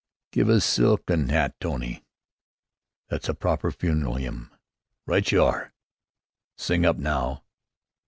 "Give us 'Silk 'At Nat Tony.' That's a proper funeral 'ymn." "Right you are! Sing up, now!"